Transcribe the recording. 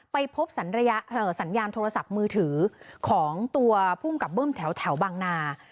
ไปพบสัญญาณโทรศัพท์มือถือของตัวภูมิกับเบิ้มแถวบางนา